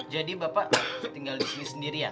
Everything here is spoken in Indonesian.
jadi bapak tinggal di sini sendirian